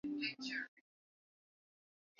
Tenga pembeni vitunguu vilivyooshwa na kukatwa katwa